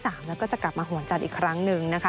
แล้วก็จะกลับมาห่วงจัดอีกครั้งหนึ่ง